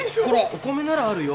お米ならあるよ